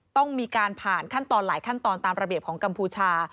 ต้องมีการผ่านขั้นตอนหลายขั้นตอนตามระเบียบของกัมพูชา